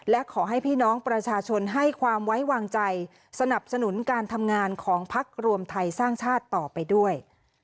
และขอให้พี่น้องประชาชนให้ความไว้วางใจสนับสนุนการทำงานของพักรวมไทยสร้างชาติต่อไปด้วย